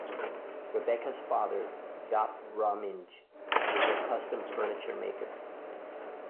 Rebecca's father, Jaap Romijn, is a custom furniture maker.